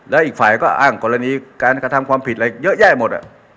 แล้วอีกฝ่ายก็อ้างกรณีการกระทำความผิดอะไรเยอะแยะหมด